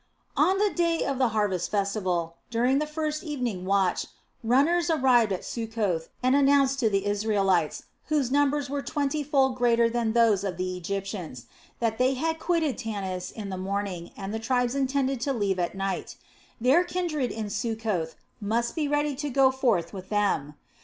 On the day of the harvest festival, during the first evening watch, runners arrived at Succoth and announced to the Israelites, whose numbers were twenty fold greater than those of the Egyptians, that they had quitted Tanis in the morning and the tribes intended to leave at night; their kindred in Succoth must be ready to go forth with them.